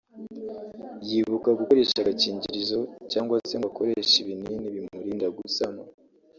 yibuka gukoresha agakingirizo cyangwa se ngo akoreshe ibinini bimurinda gusama